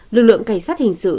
lực lượng cảnh sát hình sự